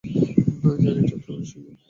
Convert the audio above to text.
জানি এটা তুই ছিলি।